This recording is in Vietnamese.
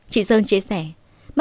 chị sơn chia sẻ